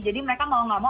jadi mereka mau gak mau